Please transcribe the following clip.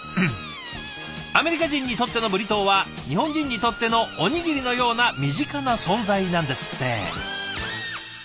アメリカ人にとってのブリトーは日本人にとってのおにぎりのような身近な存在なんですって。